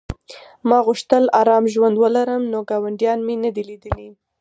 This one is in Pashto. ما غوښتل ارام ژوند ولرم نو ګاونډیان مې نه دي لیدلي